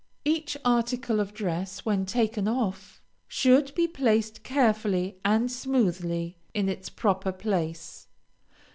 Each article of dress, when taken off, should be placed carefully and smoothly in its proper place.